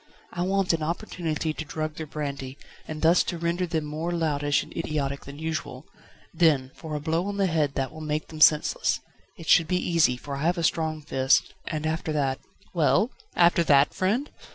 I want an opportunity to drug their brandy, and thus to render them more loutish and idiotic than usual; then for a blow on the head that will make them senseless. It should be easy, for I have a strong fist, and after that ..." "Well? After that, friend?"